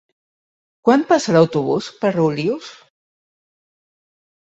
Quan passa l'autobús per Olius?